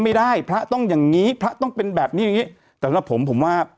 ไม่ได้พระต้องอย่างงี้พระต้องเป็นแบบนี้อย่างงี้แต่สำหรับผมผมว่า